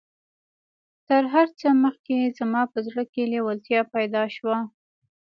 تر هر څه مخکې زما په زړه کې لېوالتيا پيدا شوه.